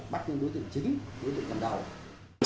bắt đưa đối tượng chính đối tượng cầm đầu